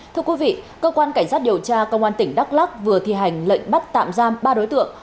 thưa quý vị cơ quan cảnh sát điều tra công an tỉnh đắk lắc vừa thi hành lệnh bắt tạm giam ba đối tượng